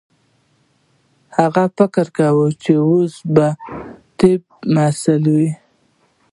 هغې فکر کاوه چې اوس به د طب محصله وه